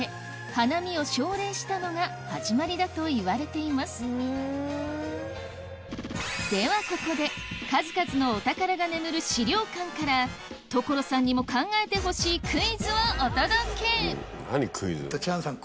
花見を奨励したのが始まりだといわれていますではここで数々のお宝が眠る資料館から所さんにも考えてほしいクイズをお届けチャンさん